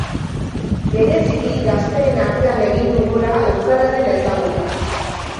Bereziki gazteen artean egin du gora euskararen ezagutzak.